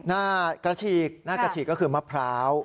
หน้ากระฉีกหน้ากระฉีกก็คือมะพร้าว